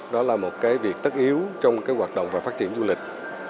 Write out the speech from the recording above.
đó là một cái việc tất yếu trong cái hoạt động và phát triển du lịch